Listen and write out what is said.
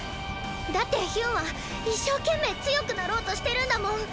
だってヒュンは一生懸命強くなろうとしてるんだもん！